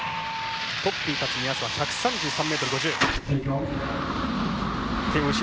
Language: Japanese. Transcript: トップに立つ目安は１３３ｍ５０。